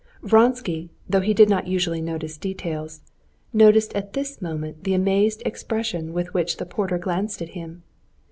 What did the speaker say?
Vronsky, though he did not usually notice details, noticed at this moment the amazed expression with which the porter glanced at him.